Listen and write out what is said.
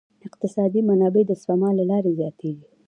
اقتصادي منابع د سپما له لارې زیاتیږي.